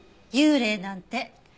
幽霊なんて。